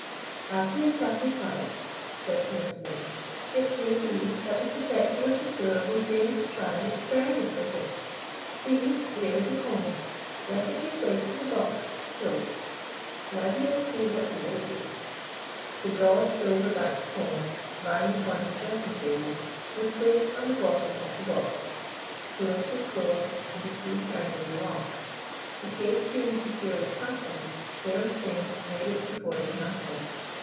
"As he is satisfied," said Hiram Singh, "it may be that the Protector of the Poor will deign to try an experiment with it. See, here is a comb. Let it be placed in the box, so now he will see what he will see." The broad, silver backed comb, lying upon his dressing table, was placed on the bottom of the box. the lid was closed, and the key turned in the lock. The case being securely fastened, Hiram Singh laid it before his master.